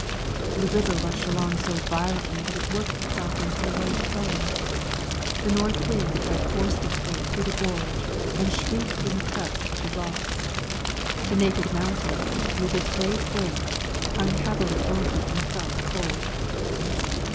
The river rushed along so violently that it worked itself into a white foam; the north wind had forced its way through the gorge and shrieked in the clefts of the rocks; the naked mountain, with its great weight, hung heavily over and felt cold.